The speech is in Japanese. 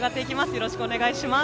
よろしくお願いします。